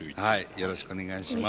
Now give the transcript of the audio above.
よろしくお願いします。